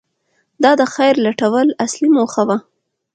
• دا د خیر لټول اصلي موخه وه.